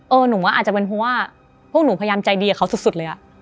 หนูว่าอาจจะเป็นเพราะว่าพวกหนูพยายามใจดีกับเขาสุดเลยอะ